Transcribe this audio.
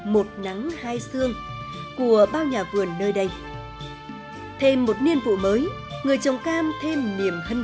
một nắng hai xương của bao nhà vườn nơi đây thêm một niên vụ mới người trồng cam thêm niềm hân